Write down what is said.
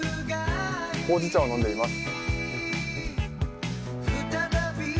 ほうじ茶を飲んでいます。